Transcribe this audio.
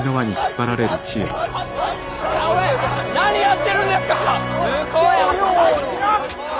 何やってるんですか！